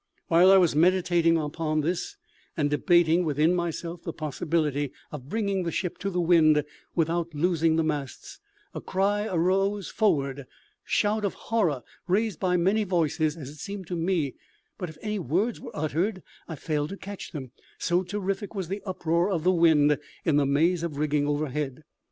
While I was meditating upon this, and debating within myself the possibility of bringing the ship to the wind without losing the masts, a cry arose forward a shout of horror raised by many voices, as it seemed to me, but if any words were uttered I failed to catch them, so terrific was the uproar of the wind in the maze of rigging overhead.